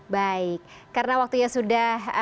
baik karena waktunya sudah